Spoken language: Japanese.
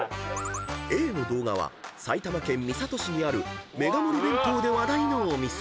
［Ａの動画は埼玉県三郷市にあるメガ盛り弁当で話題のお店］